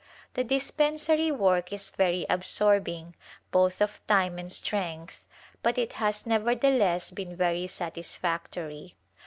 The dis pensary work is very absorbing both of time and strength but it has nevertheless been very satisfactory.